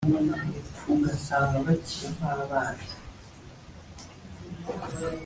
yavuze ko akunda indirimbo za Imagine Dragons